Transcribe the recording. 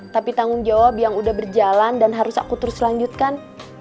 tapi tanggung jawab yang udah berjalan dan harus aku terus lanjutkan